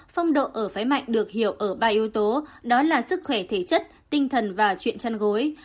phong độ ở phái mạnh được hiểu ở ba yếu tố đó là sức khỏe thể chất tinh thần và chuyện chăn gối